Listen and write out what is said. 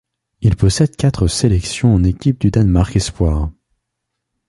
Il possède quatre sélections en équipe du Danemark espoirs.